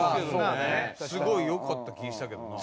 すごい良かった気したけどな。